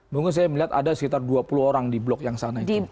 mungkin saya melihat ada sekitar dua puluh orang di blok yang sana itu